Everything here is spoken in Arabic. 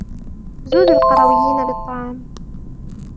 زودوا القرويين بالطعام.